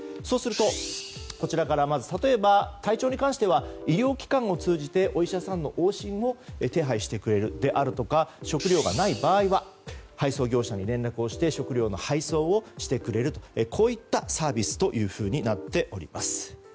そうすると、こちらから例えば体調に関しては医療機関を通じてお医者さんの往診を手配してくれるであるとか食料がない場合は配送業者に連絡して食料の配送をしてくれるというサービスとなっております。